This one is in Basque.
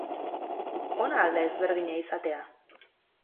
Ona al da ezberdina izatea?